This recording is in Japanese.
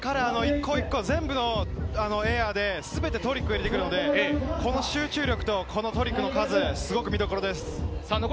一個一個、全部エアーで全てトリックを入れてくるので、この集中力とこのトリックの数、すごく見どころです。